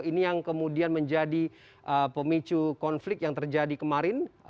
ini yang kemudian menjadi pemicu konflik yang terjadi kemarin